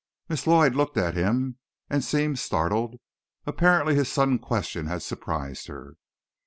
Miss Lloyd looked at him, and seemed startled. Apparently his sudden question had surprised her.